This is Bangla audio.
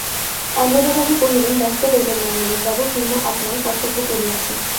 অন্নদাবাবু কহিলেন, ব্যস্ত হইবেন না নলিনবাবু, হেম আপনার কর্তব্য করিয়াছে।